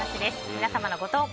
皆様のご投稿